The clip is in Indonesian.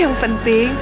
iya yang penting ibu